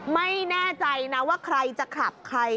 ไม่แน่ใจนะว่าใครจะขลับใคร